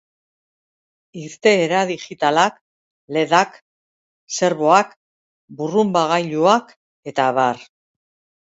Irteera digitalak: ledak, serboak, burrunbagailuak eta abar.